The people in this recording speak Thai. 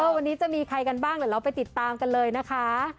วันนี้จะมีใครกันบ้างเดี๋ยวเราไปติดตามกันเลยนะคะ